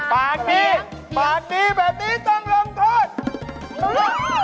ปากนี้แบบนี้จะรองทด